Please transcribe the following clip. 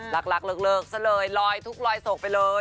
รักเลิกซะเลยลอยทุกข์ลอยโศกไปเลย